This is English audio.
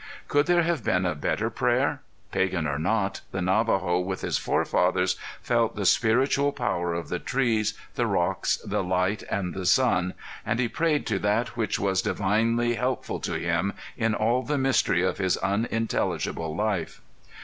Could there have been a better prayer? Pagan or not, the Navajo with his forefathers felt the spiritual power of the trees, the rocks, the light and sun, and he prayed to that which was divinely helpful to him in all the mystery of his unintelligible life.